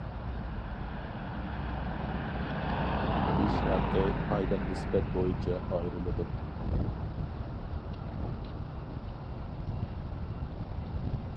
ئىش ھەققى پايدا نىسبەت بويىچە ئايرىلىدۇ.